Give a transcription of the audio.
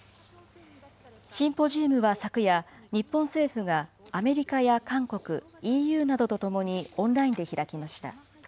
シンポジウムは昨夜、日本政府がアメリカや韓国、ＥＵなどとともにオンラインで開きました。